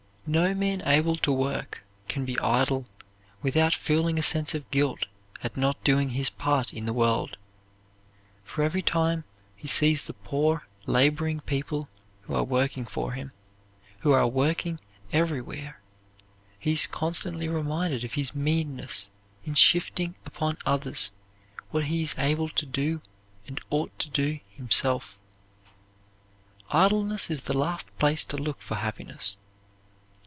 No man able to work can be idle without feeling a sense of guilt at not doing his part in the world, for every time he sees the poor laboring people who are working for him, who are working everywhere, he is constantly reminded of his meanness in shifting upon others what he is able to do and ought to do himself. Idleness is the last place to look for happiness.